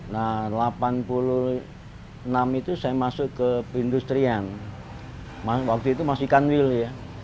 nah delapan puluh enam itu saya masuk ke perindustrian waktu itu masih kanwil ya